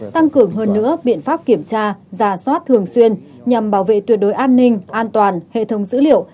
tăng cường hơn nữa biện pháp kiểm tra giả soát thường xuyên nhằm bảo vệ tuyệt đối an ninh an toàn hệ thống dữ liệu